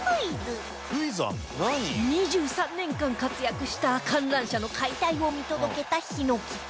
２３年間活躍した観覧車の解体を見届けた枇乃樹君